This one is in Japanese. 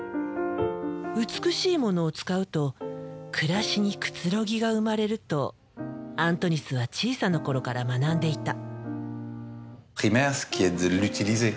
美しいものを使うと暮らしにくつろぎが生まれるとアントニスは小さな頃から学んでいた。